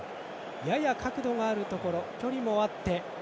やや角度があるところ距離もあって。